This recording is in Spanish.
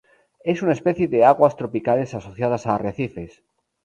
Es una especie de aguas tropicales asociadas a arrecifes.